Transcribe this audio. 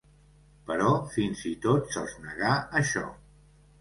Però fins i tot se'ls negà això.